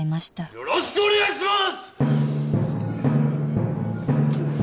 よろしくお願いします！